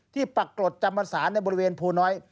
ที่ปรากฏจำบรรษาในบริเวณภูน้อย